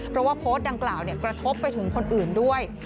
เพราะว่าโพสต์ดังกล่าวกระทบไปถึงคนอื่นด้วย